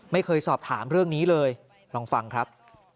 ไม่เคยสอบถามเรื่องนี้เลยลองฟังครับ